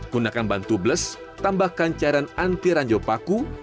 gunakan bantu bles tambahkan cairan anti ranjau paku